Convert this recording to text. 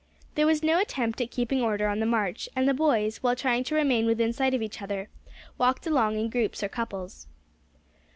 There was no attempt at keeping order on the march, and the boys, while trying to remain within sight of each other, walked along in groups or couples.